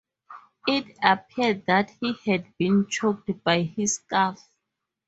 It appeared that he had been choked by his scarf.